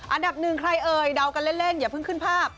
อันดับหนึ่งใครเอ่ยเดากันเล่นอย่าเพิ่งขึ้นภาพ